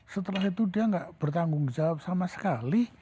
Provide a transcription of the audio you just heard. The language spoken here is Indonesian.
setelah itu dia nggak bertanggung jawab sama sekali